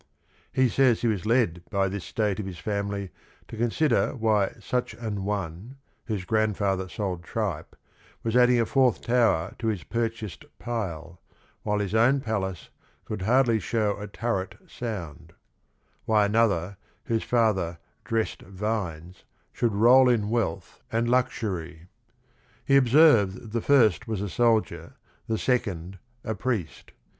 He says he was led by this state of his family to consider why such an one, whose grandfather sold tripe, was adding a fourth tower to his " pur chased pile," while his own palace "could hardly show a turret sound"; why another, whose father "dressed vines," should roll in wealth 58 THE RING AND THE BOOK and luxury. He observed that the first was a soldier, the second a priest.